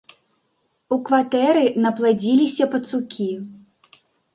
У кватэры напладзіліся пацукі.